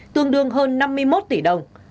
tương đương hơn năm mươi một tỷ đồng